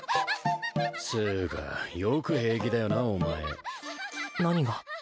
つうかよく平気だよなお前何が？